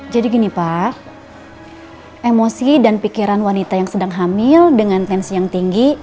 jadi gini pak emosi dan pikiran wanita yang sedang hamil dengan tensi yang tinggi